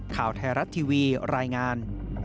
ข่าวไทยรัฐทีวีรายงาน